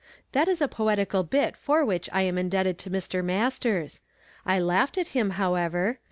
That is a poetical bit for which I am indebted to Mr. Masters. I laughed at him, however.